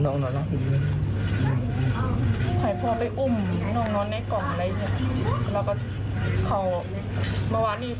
ขอบคุณครับ